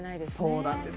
そうなんです。